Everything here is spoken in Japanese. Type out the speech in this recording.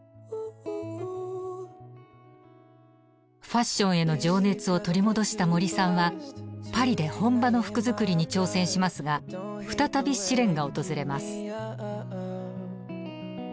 ファッションへの情熱を取り戻した森さんはパリで本場の服作りに挑戦しますが再び試練が訪れます。